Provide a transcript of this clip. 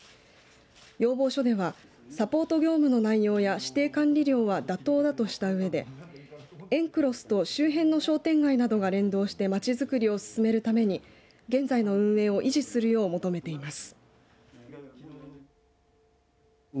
要望書では、サポート業務の内容や指定管理料は妥当だとしたうえでエンクロスと周辺の商店街などが連動して街づくりを進めるために現在の運営を維持するよう求めています。